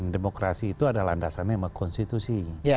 demokrasi itu adalah landasannya sama konstitusi